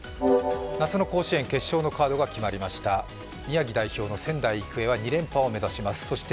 夏の甲子園決勝のカードが決まりました宮城代表の仙台育英は２連覇に挑みます。